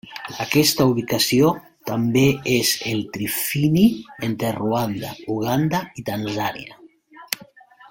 Aquesta ubicació també és el trifini entre Ruanda, Uganda i Tanzània.